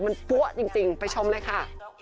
มันปั๊วจริงไปชมเลยค่ะ